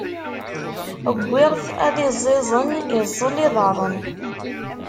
Wwiɣ-t ad iẓẓiẓen, iẓẓel iḍaṛṛen.